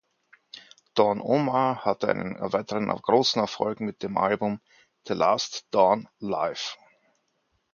Don Omar hatte einen weiteren großen Erfolg mit dem Album "The Last Don Live".